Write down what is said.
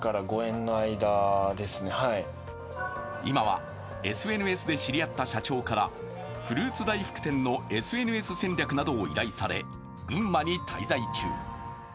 今はＳＮＳで知り合った社長からフルーツ大福店のＳＮＳ戦略などを依頼され、群馬に滞在中。